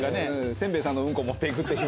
千兵衛さんのうんこを持っていくっていう。